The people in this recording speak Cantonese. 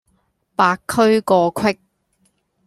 白駒過隙